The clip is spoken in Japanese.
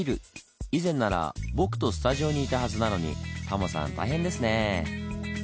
以前なら僕とスタジオにいたはずなのにタモさん大変ですねぇ。